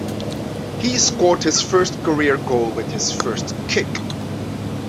He scored his first career goal with his first kick.